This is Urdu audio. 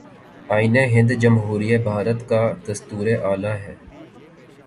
آئین ہند جمہوریہ بھارت کا دستور اعلیٰ ہے